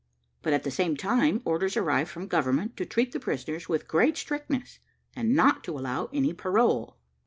But, at the same time, orders arrived from government to treat the prisoners with great strictness, and not to allow any parole.